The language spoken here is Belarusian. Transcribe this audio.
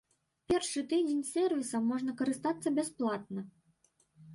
Першы тыдзень сэрвісам можна карыстацца бясплатна.